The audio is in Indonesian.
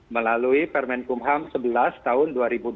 melalui permen kumham sebelas tahun dua ribu dua puluh